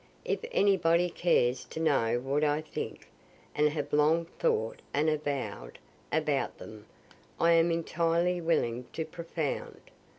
If anybody cares to know what I think and have long thought and avow'd about them, I am entirely willing to propound.